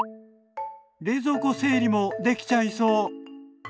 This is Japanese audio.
冷蔵庫整理もできちゃいそう。